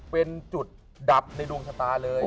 เป็นจุดดับในดวงชะตาเลย